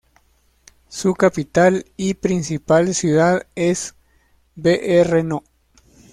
Su capital y principal ciudad es Brno.